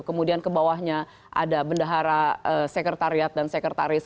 kemudian kebawahnya ada bendahara sekretariat dan sekretaris